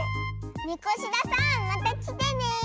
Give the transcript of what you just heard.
みこしださんまたきてね！